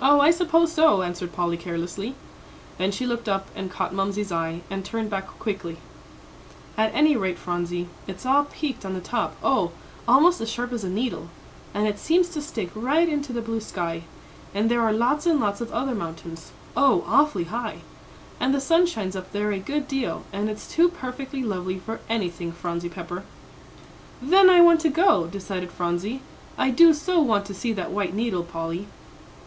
"Oh, I suppose so," answered Polly, carelessly. Then she looked up and caught Mamsie's eye, and turned back quickly. "At any rate, Phronsie, it's all peaked on the top oh, almost as sharp as a needle and it seems to stick right into the blue sky, and there are lots and lots of other mountains oh, awfully high, and the sun shines up there a good deal, and it's too perfectly lovely for anything, Phronsie Pepper." "Then I want to go," decided Phronsie. "I do so want to see that white needle, Polly."